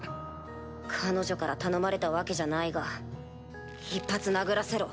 彼女から頼まれたわけじゃないが一発殴らせろ。